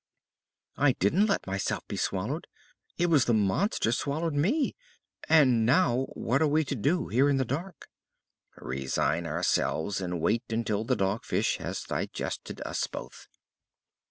"I didn't let myself be swallowed; it was the monster swallowed me! And now, what are we to do here in the dark?" "Resign ourselves and wait until the Dog Fish has digested us both."